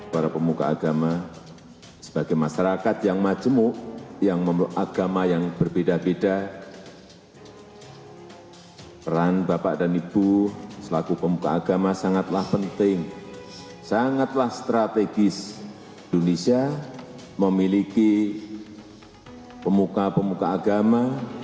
para pemuka agama sebagai masyarakat yang macemuk yang memiliki agama yang berbeda beda peran bapak dan ibu selaku pemuka agama sangatlah penting sangatlah strategis indonesia memiliki pemuka pemuka agama